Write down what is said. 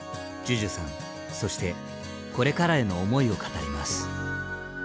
ＪＵＪＵさんそしてこれからへの思いを語ります。